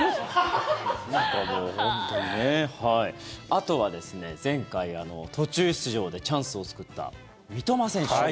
あとは前回、途中出場でチャンスを作った三笘選手。